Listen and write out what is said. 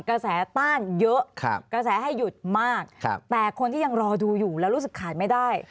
กระแสต้านเยอะกระแสให้หยุดมากแต่คนที่ยังรอดูอยู่แล้วรู้สึกขาดไม่ได้